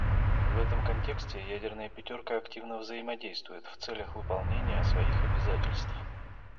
В этом контексте ядерная "пятерка" активно взаимодействует в целях выполнения своих обязательств.